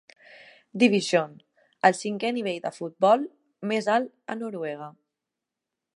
Divisjon, el cinquè nivell de futbol més alt a Noruega.